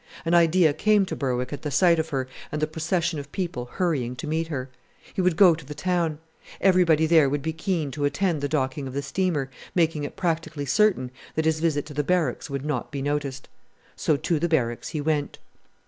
An idea came to Berwick at the sight of her and the procession of people hurrying to meet her. He would go to the town. Everybody there would be keen to attend the docking of the steamer, making it practically certain that his visit to the Barracks would not be noticed. So to the Barracks he went.